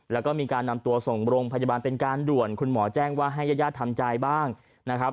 แล้วก็มีการนำตัวส่งโรงพยาบาลเป็นการด่วนคุณหมอแจ้งว่าให้ญาติญาติทำใจบ้างนะครับ